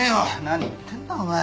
何言ってんだお前。